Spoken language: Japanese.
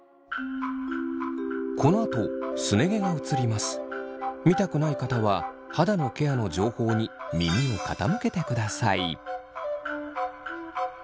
このあと見たくない方は肌のケアの情報に耳を傾けてください。